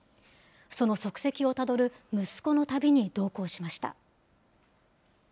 その足跡をたどる息子の旅に同行しました。